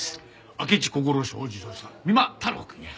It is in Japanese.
明智小五郎賞を受賞した三馬太郎くんや！